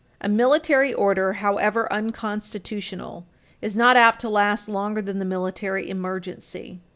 A military order, however unconstitutional, is not apt to last longer than the military emergency.